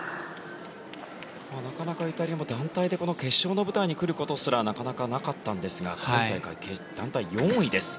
なかなかイタリアも団体で決勝の舞台に来ることすらなかなかなかったんですが今大会、団体４位です。